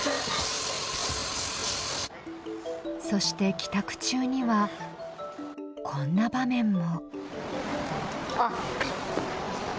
そして、帰宅中にはこんな場面も。